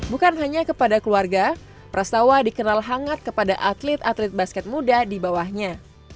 bukan hanya kepada keluarga pras tawa dikenal hangat kepada atlet atlet basket muda di bawahnya